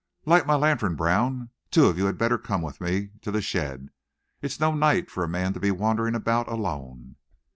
Light my lantern, Brown. Two of you had better come with me to the shed. It's no night for a man to be wandering about alone."